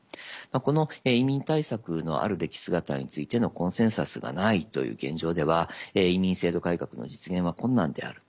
この移民対策のあるべき姿についてのコンセンサスがないという現状では移民制度改革の実現は困難である。